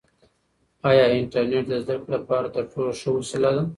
آیا انټرنیټ د زده کړې لپاره تر ټولو ښه وسیله ده؟